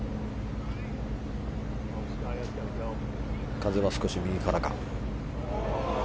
風は少し右から。